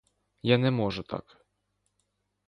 Я не можу так.